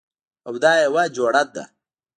او دا یوه جوړه ده